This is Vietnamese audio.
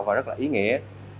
và rất là ý nghĩa